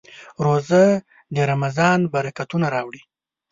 روژه د رمضان برکتونه راوړي.